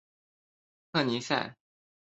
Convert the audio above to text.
特尼塞。